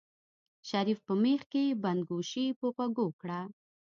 شريف په مېخ کې بنده ګوشي په غوږو کړه.